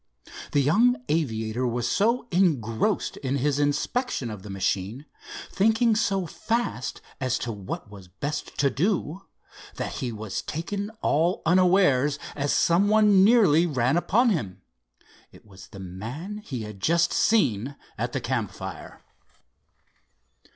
The young aviator was so engrossed in his inspection of the machine, thinking so fast as to what was best to do, that he was taken all unawares as some one nearly ran upon him. It was the man he had just seen at the campfire.